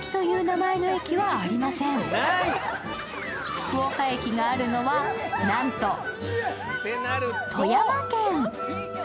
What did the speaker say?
福岡駅があるのは、なんと富山県。